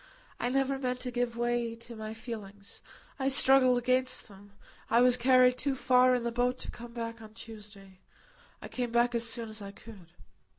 I never meant to give way to my feelings. I struggled against them. I was carried too far in the boat to come back on Tuesday. I came back as soon as I could."